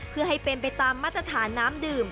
เพื่อให้เป็นไปตามมาตรฐานน้ำดื่ม